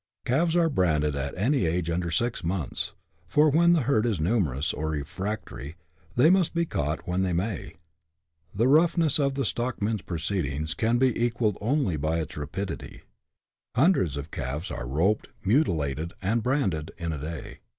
Calves are branded at any age under six months, for when the 70 BUSH LIFE IN AUSTRALIA. [chap. vi. herd is numerous or refractory they must be caught when they may. The roughness of the stockmen's proceedings can be equalled only by its rapidity — hundreds of calves are roped, muti lated, and branded in a day.